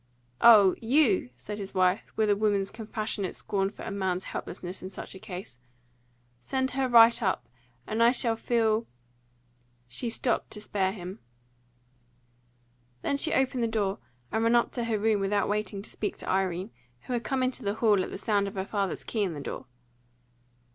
"Oh, YOU!" said his wife, with a woman's compassionate scorn for a man's helplessness in such a case. "Send her right up. And I shall feel " She stopped to spare him. Then she opened the door, and ran up to her room without waiting to speak to Irene, who had come into the hall at the sound of her father's key in the door.